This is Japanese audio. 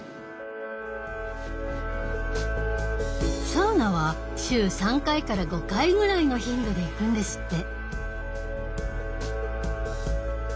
サウナは週３回から５回ぐらいの頻度で行くんですって。